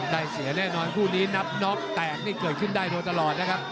ได้เสียแน่นอนคู่นี้นับน็อกแตกนี่เกิดขึ้นได้โดยตลอดนะครับ